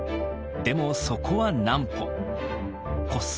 でもそこは南畝。